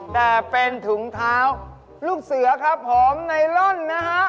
แต่เป็นถุงเท้าลูกเสือครับผมไนล่อนนะฮะ